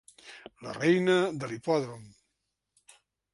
La reina de l'hipòdrom.